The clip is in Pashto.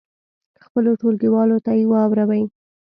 خپلو ټولګیوالو ته یې واوروئ.